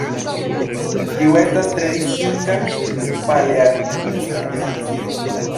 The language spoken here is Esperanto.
Tiu estas tre distinga palearktisa specio.